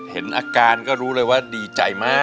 เห็นอาการก็รู้เลยว่าดีใจมาก